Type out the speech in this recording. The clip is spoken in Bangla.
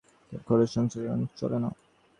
এমন হইল যে, সংসারের খরচ আর চলে না।